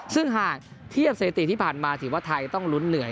ซึ่งหากเทียบสถิติที่ผ่านมาถือว่าไทยต้องลุ้นเหนื่อย